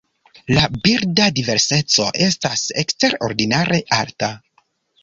La birda diverseco estas eksterordinare alta.